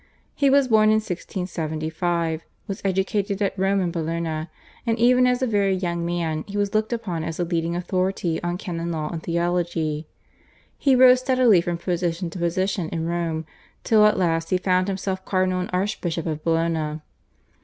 He was born in 1675, was educated at Rome and Bologna, and even as a very young man he was looked upon as a leading authority on canon law and theology. He rose steadily from position to position in Rome till at last he found himself cardinal and Archbishop of Bologna.